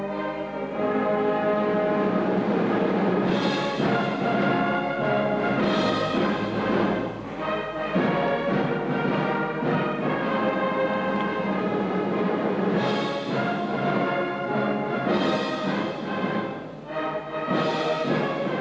lagu kebangsaan indonesia raya